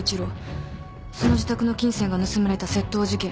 その自宅の金銭が盗まれた窃盗事件。